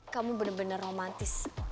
kamu benar benar romantis